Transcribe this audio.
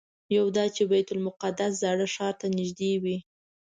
یو دا چې بیت المقدس زاړه ښار ته نږدې وي.